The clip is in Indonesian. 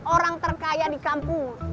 orang terkaya di kampung